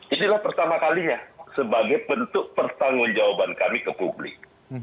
inilah pertama kalinya sebagai bentuk pertanggung jawaban kami ke publik